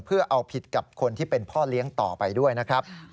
เพื่อเอาผิดกับคนที่เป็นพ่อเลี้ยงต่อไปด้วยนะครับ